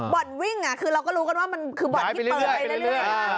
บ่อนวิ่งคือเราก็รู้กันว่ามันคือบ่อนที่เปิดไปเรื่อย